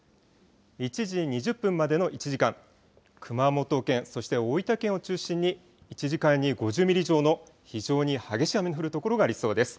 １時２０分までの１時間、熊本県そして大分県を中心に１時間に５０ミリ以上の非常に激しい雨の降る所がありそうです。